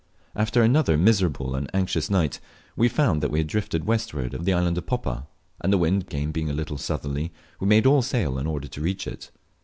After another miserable and anxious night, we found that we had drifted westward of the island of Poppa, and the wind being again a little southerly, we made all sail in order to reach it.